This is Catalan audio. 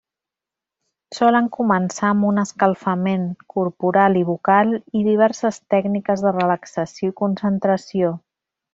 Solen començar amb un escalfament, corporal i vocal, i diverses tècniques de relaxació i concentració.